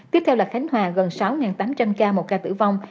tiếp theo là khánh hòa gần sáu ca sốt sức huyết